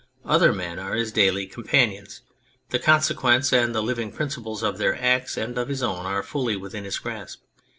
Other men are his daily companions. The consequence and the living principles of their acts and of his own are fully within his grasp.